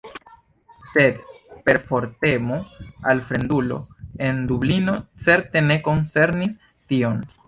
Sed perfortemo al fremdulo en Dublino certe ne koncernis tion.